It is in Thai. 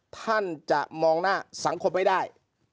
ท่านจะมองหน้าสังคมไม่ได้